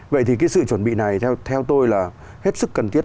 vậy thì cái sự chuẩn bị này theo tôi là hết sức cần thiết